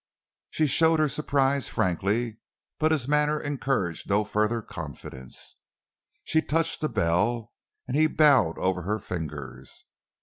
She showed her surprise frankly, but his manner encouraged no further confidence. She touched the bell, and he bowed over her fingers.